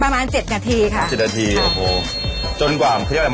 มันจะไม่ฟังใช่ไหม